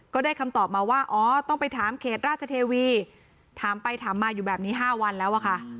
ก็ได้คำตอบมาว่าอ๋อต้องไปถามเขตราชเทวีถามไปถามมาอยู่แบบนี้๕วันแล้วอะค่ะ